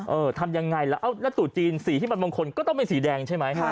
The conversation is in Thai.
เออทำยังไงแล้วแล้วตู่จีนสีที่มันบางคนก็ต้องเป็นสีแดงใช่ไหม